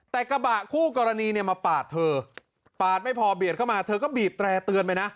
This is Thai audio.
แต่กระบะคู่กรณีเนี่ยมาปาดเธอปาดไม่พอเบียดเข้ามาเธอก็บีบแตร่เตือนไปนะ